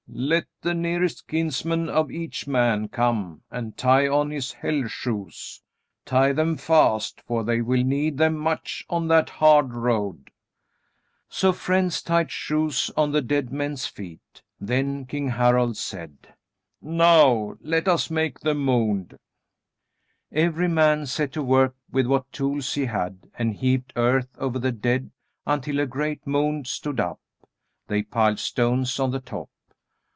Let the nearest kinsman of each man come and tie on his hell shoes. Tie them fast, for they will need them much on that hard road." So friends tied shoes on the dead men's feet. Then King Harald said: "Now let us make the mound." Every man set to work with what tools he had and heaped earth over the dead until a great mound stood up. They piled stones on the top.